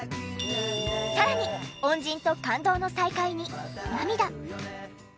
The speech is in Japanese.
さらに恩人と感動の再会に涙。